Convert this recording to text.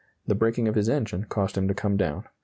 The breaking of his engine caused him to come down.